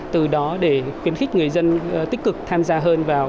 từ đó để khuyến khích người dân tích cực tham gia hơn vào